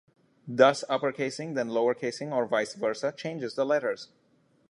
Thus uppercasing then lowercasing, or vice versa, changes the letters.